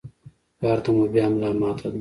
کار ته مو بيا ملا ماته ده.